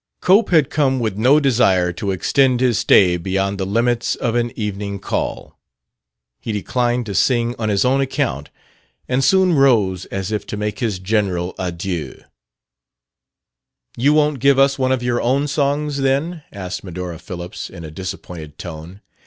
Cope had come with no desire to extend his stay beyond the limits of an evening call. He declined to sing on his own account, and soon rose as if to make his general adieux. "You won't give us one of your own songs, then?" asked Medora Phillips, in a disappointed tone.